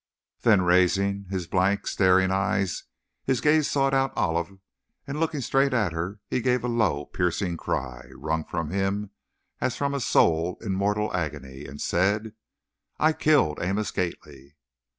Then, raising his blank, staring eyes, his gaze sought out Olive and, looking straight at her, he gave a low, piercing cry, wrung from him as from a soul in mortal agony, and said: "I killed Amos Gately!"